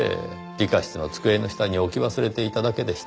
理科室の机の下に置き忘れていただけでした。